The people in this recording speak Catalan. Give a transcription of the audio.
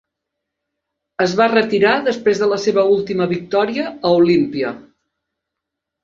Es va retirar després de la seva última victòria a Olympia.